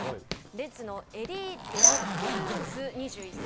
レッズのエリー・デラクルーズ２１歳。